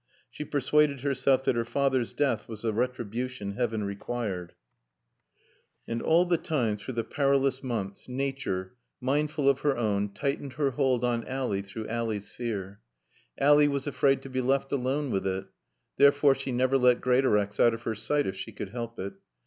She persuaded herself that her father's death was the retribution Heaven required. And all the time, through the perilous months, Nature, mindful of her own, tightened her hold on Ally through Ally's fear. Ally was afraid to be left alone with it. Therefore she never let Greatorex out of her sight if she could help it.